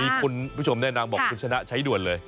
มีคุณผู้ชมแนะนำบอกคุณชนะใช้ด่วนเลย